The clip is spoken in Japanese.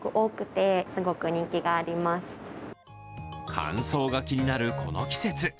乾燥が気になるこの季節。